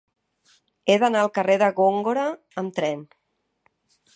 He d'anar al carrer de Góngora amb tren.